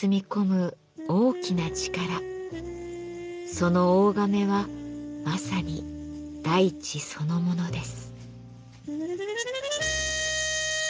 その大甕はまさに大地そのものです。